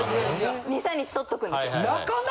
２３日とっとくんです。